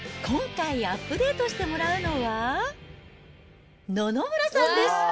今回、アップデートしてもらうのは、野々村さんです。